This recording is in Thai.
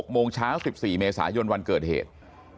โมงเช้า๑๔เมษายนวันเกิดเหตุ